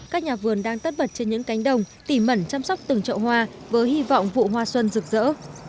các nhà vườn đang tất bật trên những cánh đồng tỉ mẩn chăm sóc từng trậu hoa với hy vọng vụ hoa xuân rực rỡ